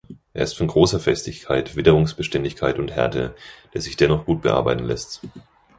Er ist von großer Festigkeit, Witterungsbeständigkeit und Härte, der sich dennoch gut bearbeiten lässt.